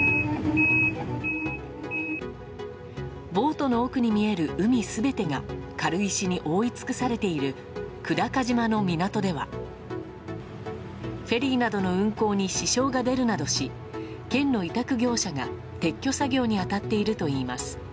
ボートの奥に見える海全てが軽石に覆い尽くされている久高島の港ではフェリーなどの運航に支障が出るなどし県の委託業者が撤去作業に当たっているといいます。